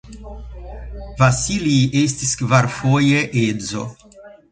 Vasilij estis kvarfoje edzo.